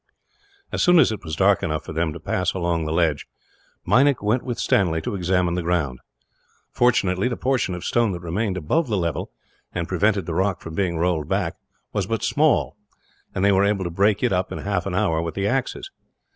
As soon as it was dark enough for them to pass along the ledge, Meinik went with Stanley to examine the ground. Fortunately, the portion of stone that remained above the level, and prevented the rock from being rolled back, was but small; and they were able to break it up in half an hour, with the axes.